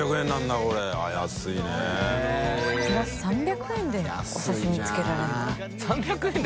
プラス３００円でお刺し身付けられるんだ。